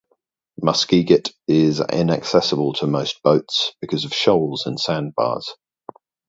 Muskeget is inaccessible to most boats because of shoals and sandbars.